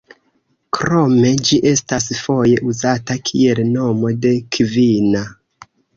Krome ĝi estas foje uzata kiel nomo de kvina.